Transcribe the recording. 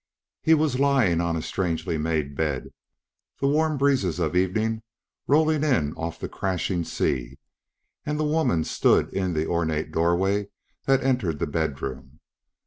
He was lying on a strangely made bed, the warm breezes of evening rolling in off the crashing sea and the woman stood in the ornate doorway that entered the bedroom.